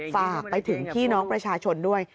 ฝากไปถึงพี่น้องประชาชนด้วย